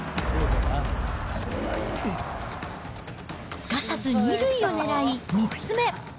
すかさず２塁をねらい３つ目。